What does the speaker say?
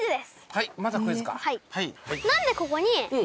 はい。